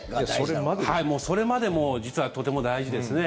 それまでも実はとても大事ですね。